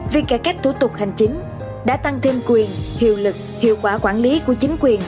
việc cải cách thủ tục hành chính đã tăng thêm quyền hiệu lực hiệu quả quản lý của chính quyền